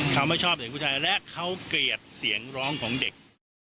เขาไม่ชอบเด็กผู้ชายและเขาเกลียดเสียงร้องของเด็ก